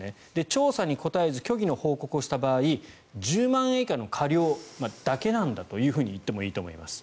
調査に答えず虚偽の報告をした場合１０万円以下の過料だけなんだといってもいいと思います。